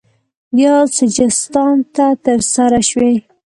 یا سجستان ته ترسره شوی